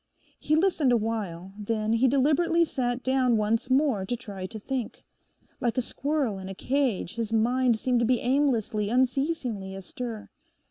He listened a while, then he deliberately sat down once more to try to think. Like a squirrel in a cage his mind seemed to be aimlessly, unceasingly astir.